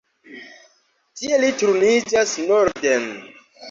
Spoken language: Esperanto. Tie li turniĝas norden.